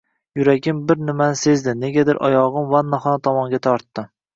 Yuragim bir nimani sezdi, negadir oyog`im vannaxona tomonga tortdi